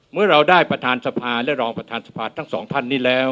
เมื่อเราได้ประธานสภาพุทธแหลศดรและรองประธานสภาพุทธแหลศดรทั้ง๒พันธุ์นี้แล้ว